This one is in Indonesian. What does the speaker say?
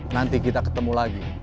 nanti kita ketemu lagi